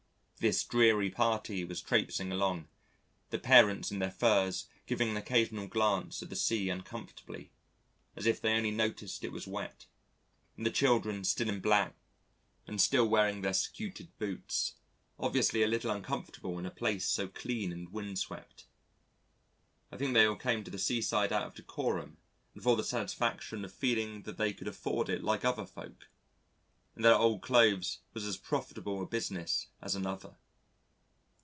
This dreary party was traipsing along, the parents in their furs giving an occasional glance at the sea uncomfortably, as if they only noticed it was wet, and the children still in black and still wearing their scuted boots, obviously a little uncomfortable in a place so clean and windswept. I think they all came to the seaside out of decorum and for the satisfaction of feeling that they could afford it like other folk, and that old clothes was as profitable a business as another.